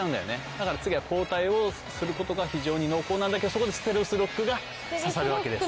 だから次はこうたいをすることが非常に濃厚なんだけどそこでステルスロックがささるわけです。